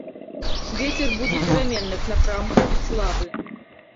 Вецер будзе пераменных напрамкаў, слабы.